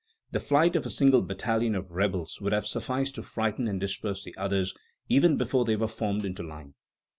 The flight of a single battalion of rebels would have sufficed to frighten and disperse the others, even before they were formed into line."